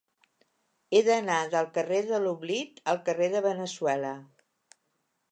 He d'anar del carrer de l'Oblit al carrer de Veneçuela.